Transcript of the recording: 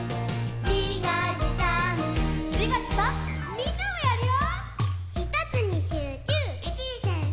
みんなもやるよ！